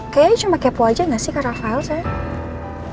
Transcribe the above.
kayaknya cuma kepo aja gak sih kak rafael sayang